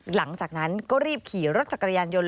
หลังจากนั้นก็รีบขี่รถจักรยานยนต์